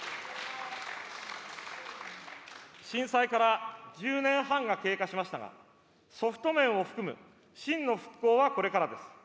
震災から１０年半が経過しましたが、ソフト面を含む真の復興はこれからです。